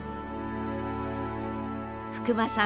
福間さん